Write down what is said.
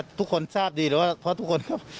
ทุกคนทราบดีหรือว่าเพราะทุกคนครับ